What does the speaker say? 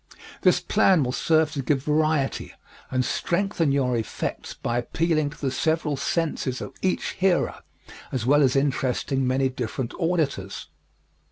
This plan will serve to give variety and strengthen your effects by appealing to the several senses of each hearer, as well as interesting many different auditors.